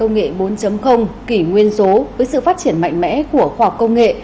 sống trong thời đại công nghệ bốn kỷ nguyên số với sự phát triển mạnh mẽ của khoa công nghệ